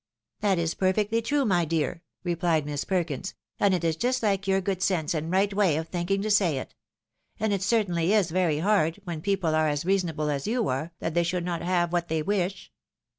133 " That is perfectly true, my dear," replied Miss Perkins, " and it is just like your good sense and right way of thinking to say it ; and it certainly is very hard, when people are as reasonable as you are, that they should not have what they wish."